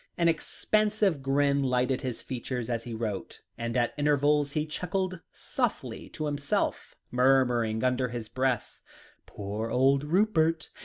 An expansive grin lightened his features as he wrote, and at intervals he chuckled softly to himself, murmuring under his breath: "Poor old Rupert.